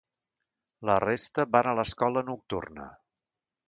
La resta van a l'escola nocturna.